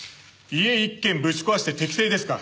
家一軒ぶち壊して適正ですか？